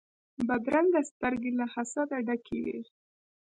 بدرنګه سترګې له حسده ډکې وي